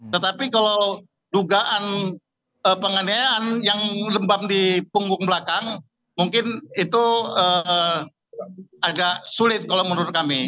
tetapi kalau dugaan penganiayaan yang lembab di punggung belakang mungkin itu agak sulit kalau menurut kami